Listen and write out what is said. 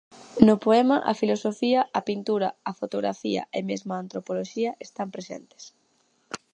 No poema, a filosofía, a pintura, a fotografía e mesmo a antropoloxía están presentes.